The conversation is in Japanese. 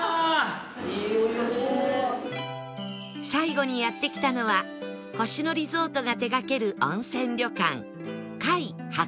最後にやって来たのは星野リゾートが手がける温泉旅館